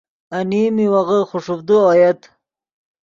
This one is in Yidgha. انیم میوغے خوݰوڤدے اویت۔